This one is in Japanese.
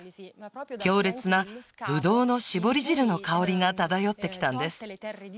強烈なブドウのしぼり汁の香りが漂ってきたんです